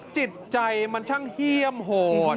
จิตใจมันช่างเฮี่ยมโหด